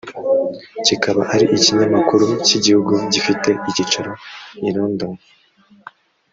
kikaba ari ikinyamakuru cy’igihugu gifite ikicaro I London